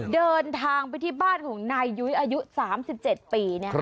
เดินทางไปที่บ้านของนายยุ้ยอายุ๓๗ปี